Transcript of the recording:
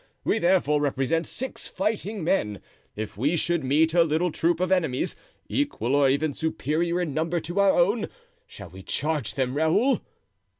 We therefore represent six fighting men; if we should meet a little troop of enemies, equal or even superior in number to our own, shall we charge them, Raoul?"